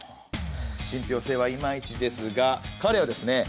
信ぴょう性はいまいちですが彼はですね